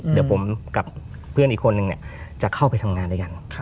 เดี๋ยวผมกับเพื่อนอีกคนนึงจะเข้าไปทำงานด้วยกัน